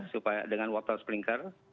supaya dengan water sprinker